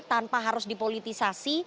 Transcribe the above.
tanpa harus dipolitisasi